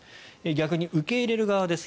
逆に受け入れる側です。